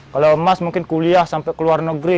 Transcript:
kalau emas mungkin kuliah sampai keluar negeri